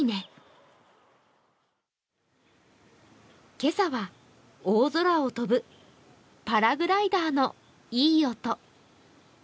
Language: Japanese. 今朝は大空を飛ぶパラグライダーのいい音。